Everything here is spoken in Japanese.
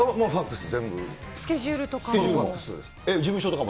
スケジュールとかも？